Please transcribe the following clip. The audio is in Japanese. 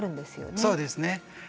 そうですね。